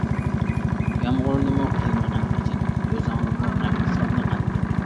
يامغۇرنىمۇ قىلمىغىن خىجىل، ئۆزۈڭنىمۇ غەمگە سالمىغىن.